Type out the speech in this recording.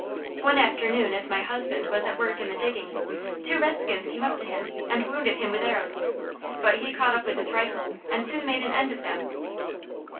"One afternoon as my husband was at work in the diggings, two red skins came up to him and wounded him with arrows, but he caught up his rifle and soon made an end of them.